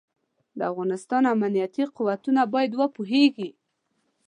د افغانستان امنيتي قوتونه بايد وپوهېږي.